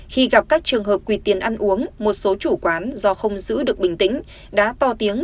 khi gặp các trường hợp quỳ tiền ăn uống một số chủ quán do không giữ được bình tĩnh đã to tiếng